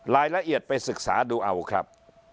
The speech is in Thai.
รายละเอียดไปศึกษาดูเอาครับ